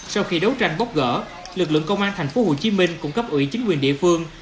sau khi đấu tranh bốc gỡ lực lượng công an thành phố hồ chí minh cũng cấp ủy chính quyền địa phương